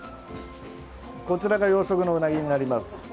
こちらが養殖のうなぎになります。